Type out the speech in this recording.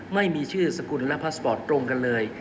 ไม่มีชื่อสกุลและพาสปอร์ตตรงกันเลย